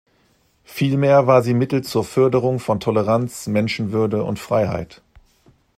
Vielmehr war sie Mittel zur Förderung von Toleranz, Menschenwürde und Freiheit.